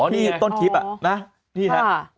อ๋อนี่ไงอ๋อนี่นะต้นคลิป